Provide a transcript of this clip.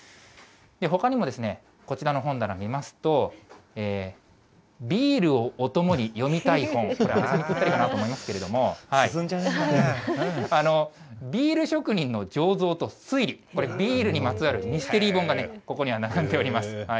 ほかにも、こちらの本棚を見ますと、ビールをお供に読みたい本、ぴったりだなと思いますけれども、ビール職人の醸造と推理、これ、ビールにまつわるミステリー本がここには並んでおります。